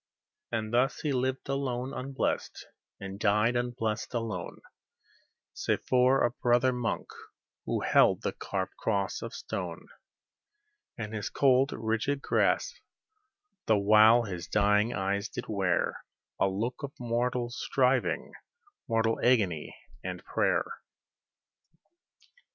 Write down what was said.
And thus he lived alone, unblest, and died unblest, alone, Save for a brother monk, who held the carved cross of stone In his cold, rigid clasp, the while his dying eyes did wear A look of mortal striving, mortal agony, and prayer.